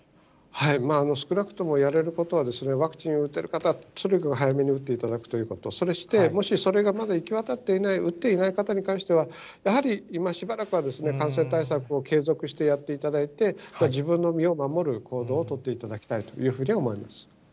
少なくともやれることは、ワクチンを打てる方は、とにかく早めに打っていただくということ、そして、もしそれがまだ行き渡っていない、打っていない方に関しては、やはり、今しばらくは感染対策を継続してやっていただいて、自分の身を守る行動を取っていただきたいというふうに思います。